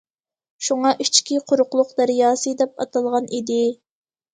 شۇڭا ئىچكى قۇرۇقلۇق دەرياسى، دەپ ئاتالغان ئىدى.